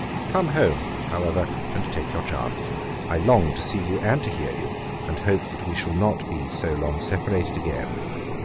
'Come home, however, and take your chance. I long to see you, and to hear you; and hope that we shall not be so long separated again.